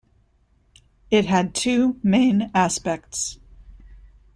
It had two main aspects.